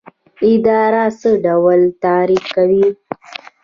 اداره څه ډول تعریف کوئ؟